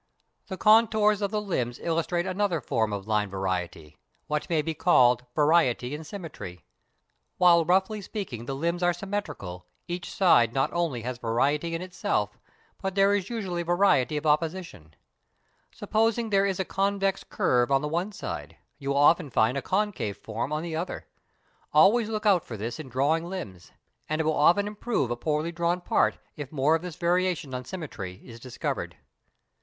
] The contours of the limbs illustrate another form of line variety what may be called "Variety in Symmetry." While roughly speaking the limbs are symmetrical, each side not only has variety in itself, but there is usually variety of opposition. Supposing there is a convex curve on the one side, you will often have a concave form on the other. Always look out for this in drawing limbs, and it will often improve a poorly drawn part if more of this variation on symmetry is discovered.